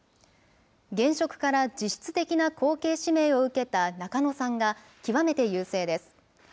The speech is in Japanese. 現職から実質的な後継指名を受けた中野さんが極めて優勢です。